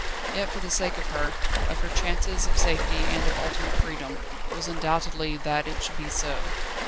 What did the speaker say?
Yet for the sake of her, of her chances of safety and of ultimate freedom, it was undoubtedly best that it should be so.